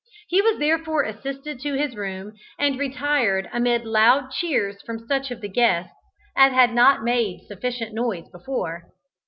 He was therefore assisted to his room, and retired amid loud cheers from such of the guests as had not made sufficient noise before.